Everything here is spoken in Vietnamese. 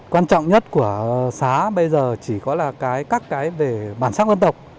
quan trọng nhất của xá bây giờ chỉ có là các cái về bản sắc văn tộc